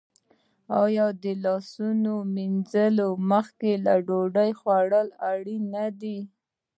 آیا د لاسونو مینځل مخکې له ډوډۍ اړین نه دي؟